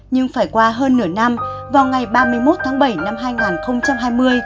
nhưng phải qua hơn nửa năm vào ngày ba mươi một tháng bảy năm hai nghìn hai mươi